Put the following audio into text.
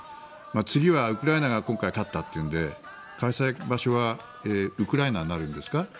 次はウクライナが今回、勝ったというので開催場所はウクライナになるんですか？